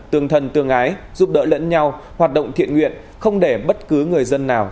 tương thân tương ái giúp đỡ lẫn nhau hoạt động thiện nguyện không để bất cứ người dân nào